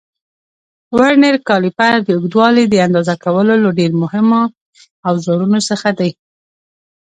ورنیر کالیپر د اوږدوالي د اندازه کولو له ډېرو مهمو اوزارونو څخه دی.